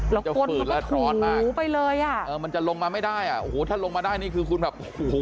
แล้วก็ถูไปเลยอ่ะมันจะลงมาไม่ได้อ่ะถ้าลงมาได้นี่คือคุณแบบ